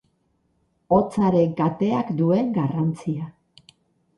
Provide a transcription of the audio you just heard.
Hotzaren kateak duen garrantzia.